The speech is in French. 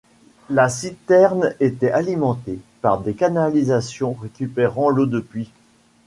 La citerne était alimentée par des canalisations récupérant l'eau de pluie.